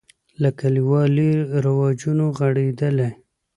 له کلیوالي رواجونو غړېدلی.